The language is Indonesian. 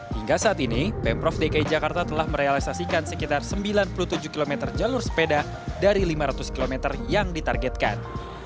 hingga saat ini pemprov dki jakarta telah merealisasikan sekitar sembilan puluh tujuh km jalur sepeda dari lima ratus km yang ditargetkan